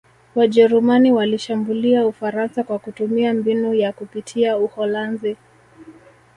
Wajerumani walishambulia Ufaransa kwa kutumia mbinu ya kupitia Uholanzi